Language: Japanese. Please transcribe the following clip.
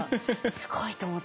「すごい」と思って。